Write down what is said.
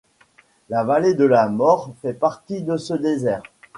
La vallée de la Mort fait partie de ce désert.